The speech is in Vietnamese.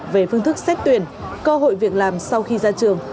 về phương thức xét tuyển cơ hội việc làm sau khi ra trường